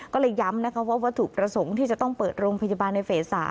ก็เลยย้ำนะคะว่าวัตถุประสงค์ที่จะต้องเปิดโรงพยาบาลในเฟส๓